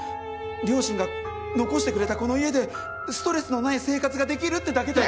両親が残してくれたこの家でストレスのない生活ができるってだけで。